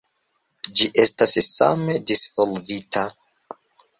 Ĝi estas same disvolvita.